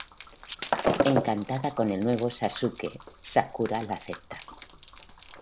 Encantada con el nuevo Sasuke, Sakura la acepta.